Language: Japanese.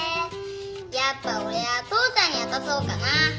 やっぱ俺は父ちゃんに渡そうかなぁ。